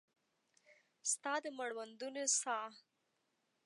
ستا د مړوندونو ساه